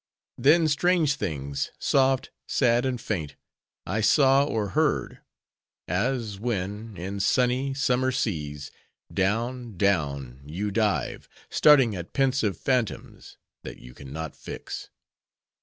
"Then strange things—soft, sad, and faint, I saw or heard; as, when, in sunny, summer seas, down, down, you dive, starting at pensive phantoms, that you can not fix.